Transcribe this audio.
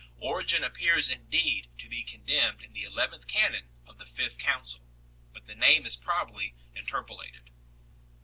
Origen appears indeed to be condemned in the eleventh canon of the Fifth Council, but the name is probably interpolated 8